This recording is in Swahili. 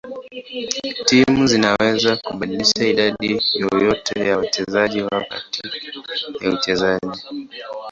Timu zinaweza kubadilisha idadi yoyote ya wachezaji wao kati ya uchezaji.